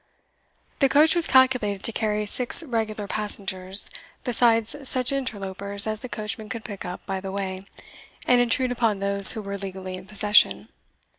The coach was calculated to carry six regular passengers, besides such interlopers as the coachman could pick up by the way, and intrude upon those who were legally in possession.